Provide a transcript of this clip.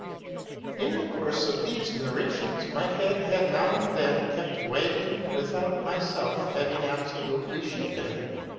" In the course of these narrations my head had now and then kept wagging, without myself having absolutely shaken it.